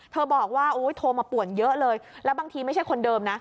บอกว่าโอ้ยโทรมาป่วนเยอะเลยแล้วบางทีไม่ใช่คนเดิมนะ